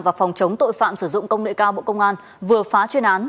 và phòng chống tội phạm sử dụng công nghệ cao bộ công an vừa phá chuyên án